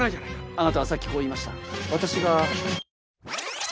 あなたはさっきこう言いました私が。